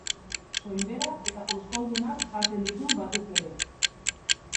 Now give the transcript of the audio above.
Soinberak eta oskoldunak jaten ditu, batez ere.